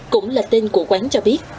cũng là tên của quán cho biết